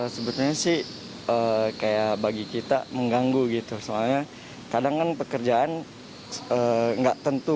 sebetulnya sih kayak bagi kita mengganggu gitu soalnya kadang kan pekerjaan nggak tentu